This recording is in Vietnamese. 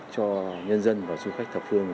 cho nhân dân và du khách thập phương